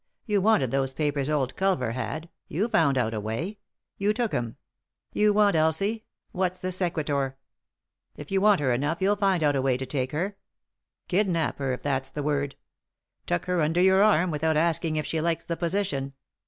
Yon wanted those papers old Culver had ; you found out a way ; you took 'em. Yon want Elsie — what's the soquitur ? If you want her enough you'll find out a way to take her. Kidnap her, if that's the word. Tuck her under your arm, without asking if she likes the position.